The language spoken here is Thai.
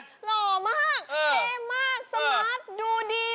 หล่อมากเท่มากสมาร์ทดูดี